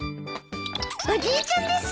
おじいちゃんです。